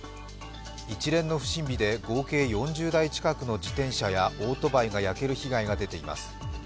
一連の不審火で合計４０台近くの自転車やオートバイが焼ける被害が出ています。